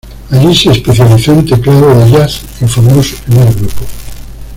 Allí se especializó en teclado de jazz y formó su primer grupo.